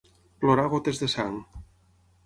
Plorar gotes de sang.